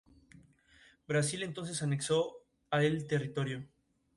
Desde el interior, la montaña tiene más el aspecto de una pirámide.